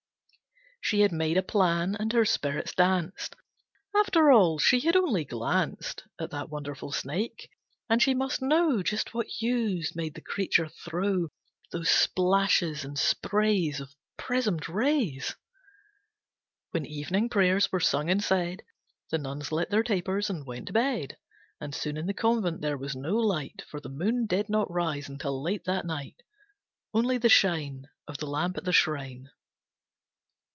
She had made a plan, and her spirits danced. After all, she had only glanced At that wonderful snake, and she must know Just what hues made the creature throw Those splashes and sprays Of prismed rays. When evening prayers were sung and said, The nuns lit their tapers and went to bed. And soon in the convent there was no light, For the moon did not rise until late that night, Only the shine Of the lamp at the shrine.